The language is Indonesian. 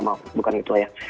maaf bukan ketua ya